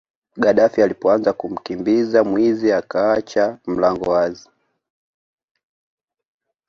Gadaffi alipoanza kumkimbiza mwizi akaacha mlango wazi